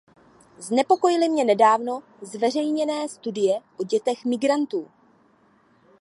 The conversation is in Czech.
Znepokojily mě nedávno zveřejněné studie o dětech migrantů.